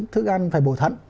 thức ăn phải bổ thận